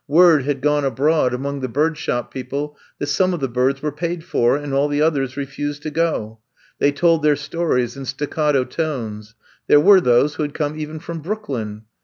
Word had gone abroad among the bird shop people that some of the birds were paid for, an J all the others refused to go. They told their stories in staccato tones. There were those who had come even from Brooklyn.